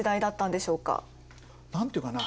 何ていうかな？